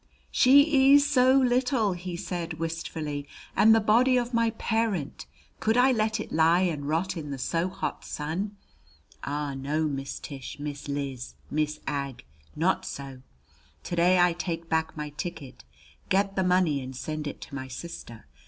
"She ees so little!" he said wistfully. "And the body of my parent could I let it lie and rot in the so hot sun? Ah, no; Miss Tish, Miss Liz, Miss Ag, not so. To day I take back my ticket, get the money, and send it to my sister.